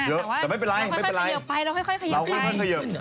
เอาหน่าแต่ว่าเราค่อยขยับไป